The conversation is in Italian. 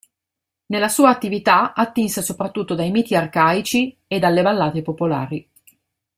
Nella sua attività attinse soprattutto dai miti arcaici e dalle ballate popolari.